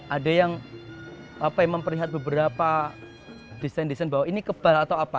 ada yang memperlihat beberapa desain desain bahwa ini kebal atau apa